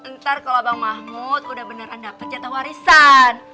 ntar kalo bang mahmud udah beneran dapet jatah warisan